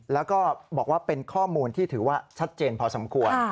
แล้วก็บอกว่าเป็นข้อมูลที่ถือว่าชัดเจนพอสมควร